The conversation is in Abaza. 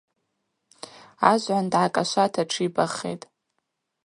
Ажвгӏванд дгӏакӏашвата тшибахитӏ.